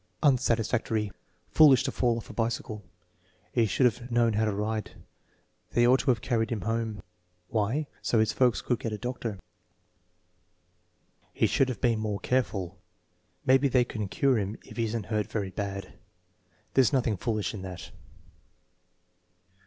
Unsatisfactory. "Foolish to fall off of a bicycle. He should have known how to ride." "They ought to have carried him home. 258 THE MEASUREMENT OF INTELLIGENCE (Why?) So his folks could get a doctor." "He should have been more careful." "Maybe they can cure him if he is n't hurt very bad." "There's nothing foolish in that."